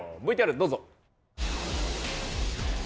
ＶＴＲどうぞ。